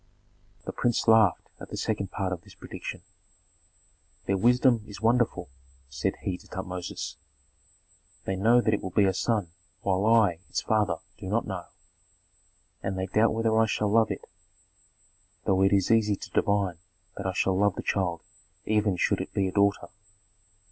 The prince laughed at the second part of this prediction. "Their wisdom is wonderful," said he to Tutmosis. "They know that it will be a son, while I, its father, do not know; and they doubt whether I shall love it, though it is easy to divine that I shall love the child even should it be a daughter.